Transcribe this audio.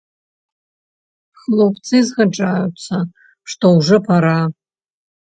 Хлопцы згаджаюцца, што ўжо пара.